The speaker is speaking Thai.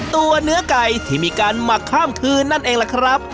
ตัวเนื้อไก่ที่มีการหมักข้ามคืนนั่นเองล่ะครับ